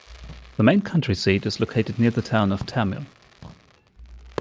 The main county seat is located near the town of Tamil.